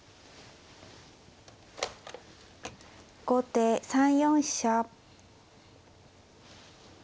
後手３四飛車。